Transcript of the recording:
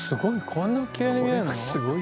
こんなきれいに見えるの。